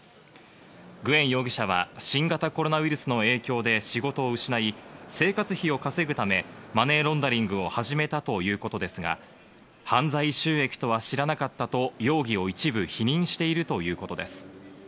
グエン容疑者は新型コロナウイルスの影響で仕事を失い、生活費を稼ぐためマネーロンダリングを始めたということですが、犯罪収益とは知らなかったと容疑を一部否認しているということです。